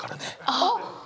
あっ！